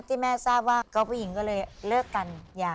ที่แม่ทราบว่าก๊อฟผู้หญิงก็เลยเลิกกัน